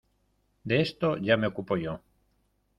de esto ya me ocupo yo.